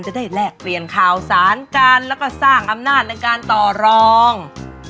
แลกเปลี่ยนข่าวสารการแล้วก็สร้างอำนาจในการต่อรอง